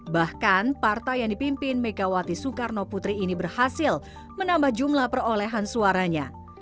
bahkan partai yang dipimpin megawati soekarno putri ini berhasil menambah jumlah perolehan suaranya